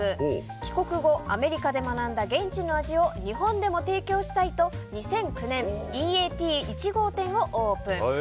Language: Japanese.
帰国後アメリカで学んだ現地の味を日本でも提供したいと２００９年Ｅ・Ａ・Ｔ１号店をオープン。